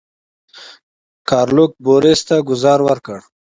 ګارلوک بوریس ته ګوزاره ورکړه.